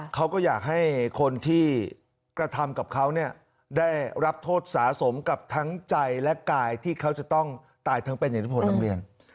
เขาก็อยากให้คนที่กระทำกับเขาเนี่ยได้รับโทษสะสมกับทั้งใจและกายที่เขาจะต้องตายทั้งเป็นอย่างที่ผมนำเรียน